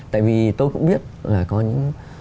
tại vì tôi cũng biết là có những